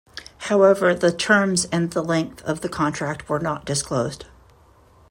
However the terms and the length of the contract were not disclosed.